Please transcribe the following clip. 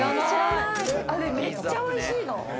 あれめっちゃ美味しいの。